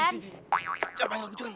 sisi sisi jam lagi aku cuman